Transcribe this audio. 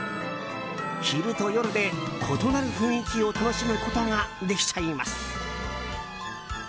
昼と夜で異なる雰囲気を楽しむことができちゃいます。